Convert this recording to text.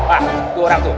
hah tuh orang tuh